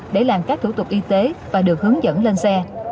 để làm các thủ tục y tế và được hướng dẫn lên xe